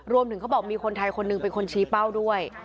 เขาบอกมีคนไทยคนหนึ่งเป็นคนชี้เป้าด้วย